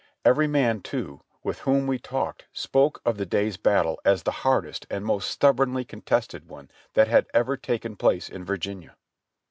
Every man, too, with whom we talked spoke of the day's battle as the hardest and most stubbornly contested one that had ever taken place in Virginia.